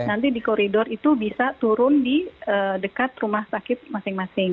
nanti di koridor itu bisa turun di dekat rumah sakit masing masing